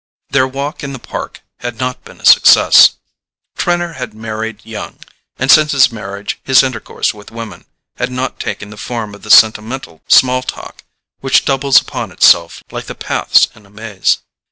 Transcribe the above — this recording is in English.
Their walk in the Park had not been a success. Trenor had married young, and since his marriage his intercourse with women had not taken the form of the sentimental small talk which doubles upon itself like the paths in a maze.